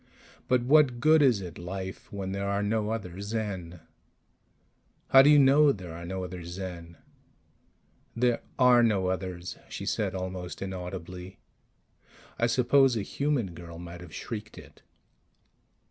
But what good is it life when there are no other Zen?" "How do you know there are no other Zen?" "There are no others," she said almost inaudibly. I suppose a human girl might have shrieked it.